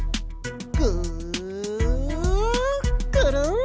ぐくるん！